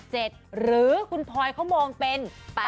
หรือคุณพลอยเขามองเป็น๘๘